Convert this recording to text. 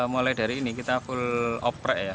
mulai dari ini kita cool oprek ya